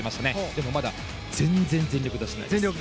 でもまだ全然、全力出してないです。